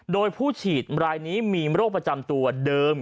โดยผู้ฉีดรายนี้มีโรคประจำตัวเดิม